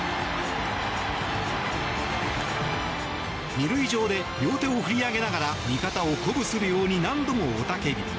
２塁上で両手を振り上げながら味方を鼓舞するように何度も雄たけび。